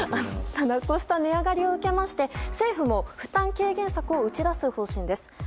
こうした値上がりを受けまして政府も負担軽減策を打ち出す方針です。